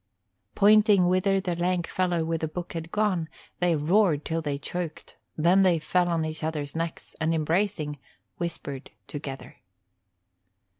Pointing whither the lank fellow with the book had gone, they roared till they choked; then they fell on each other's necks, and embracing, whispered together.